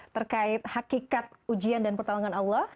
terkait hakikat ujian dan pertolongan allah